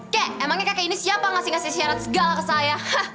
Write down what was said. keh emangnya kakek ini siapa yang ngasih ngasih syarat segala ke saya